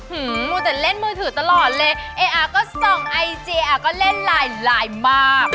หื้มมูแต่เล่นมือถือตลอดเลยอาก็ส่องไอจีอาก็เล่นไลน์มาก